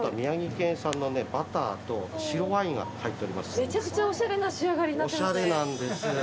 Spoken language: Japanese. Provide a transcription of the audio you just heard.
めちゃくちゃおしゃれな仕上がりになってますね。